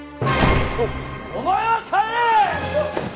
お前は帰れ！